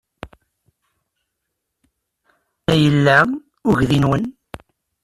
Anda yella uydi-nwen?